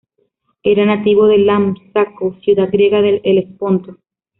Era nativo de Lámpsaco, ciudad griega del Helesponto.